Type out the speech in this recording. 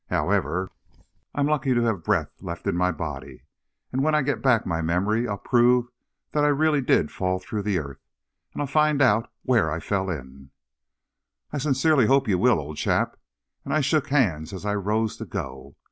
However, I'm lucky to have breath left in my body, and when I get back my memory, I'll prove that I really did fall through the earth, and I'll find out where I fell in." "I sincerely hope you will, old chap," and I shook hands as I rose to go.